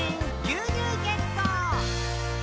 「牛乳ゲット！」